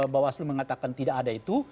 bawaslu mengatakan tidak ada itu